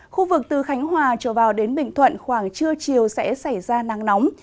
khu vực từ khánh hòa trở vào đến bình thuận khoảng trưa chiều sẽ xảy ra nắng nóng